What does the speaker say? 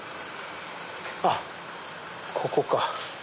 あっここか。